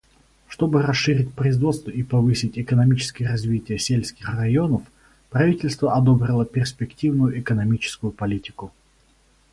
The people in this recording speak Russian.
Чтобы расширить производство и повысить экономическое развитие сельских районов, правительство одобрило перспективную экономическую политику.